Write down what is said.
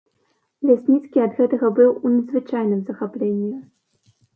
Лясніцкі ад гэтага быў у надзвычайным захапленні.